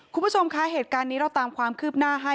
คุณผู้ชมคะเหตุการณ์นี้เราตามความคืบหน้าให้